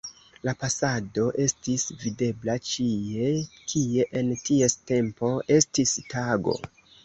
La pasado estis videbla ĉie, kie en ties tempo estis tago.